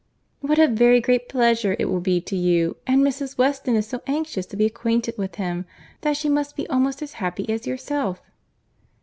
"What a very great pleasure it will be to you! and Mrs. Weston is so anxious to be acquainted with him, that she must be almost as happy as yourself."